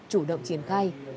chủ động triển khai